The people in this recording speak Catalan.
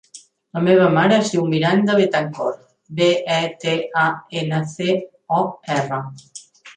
La meva mare es diu Miranda Betancor: be, e, te, a, ena, ce, o, erra.